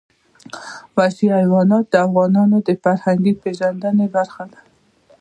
وحشي حیوانات د افغانانو د فرهنګي پیژندنې برخه ده.